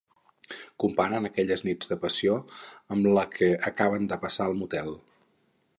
Comparen aquelles nits de passió amb la que acaben de passar al motel.